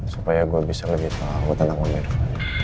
supaya gua bisa lebih tahu tentang sama mirvan